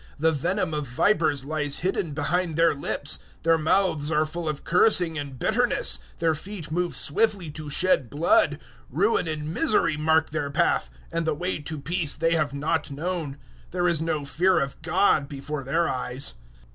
"The venom of vipers lies hidden behind their lips." 003:014 "Their mouths are full of cursing and bitterness." 003:015 "Their feet move swiftly to shed blood. 003:016 Ruin and misery mark their path; 003:017 and the way to peace they have not known." 003:018 "There is no fear of God before their eyes."